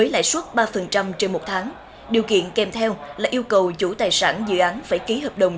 lãi suất ba trên một tháng điều kiện kèm theo là yêu cầu chủ tài sản dự án phải ký hợp đồng